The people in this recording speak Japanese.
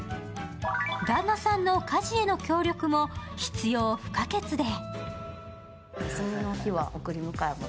旦那さんの家事への協力も必要不可欠で。